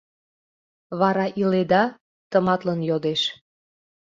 — Вара иледа? — тыматлын йодеш.